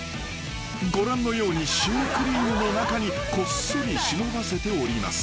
［ご覧のようにシュークリームの中にこっそり忍ばせております］